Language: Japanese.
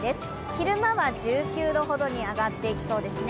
昼間は１９度ほどに上がっていきそうですね。